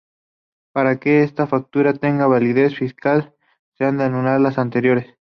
Para que esta factura tenga validez fiscal se han de anular las anteriores.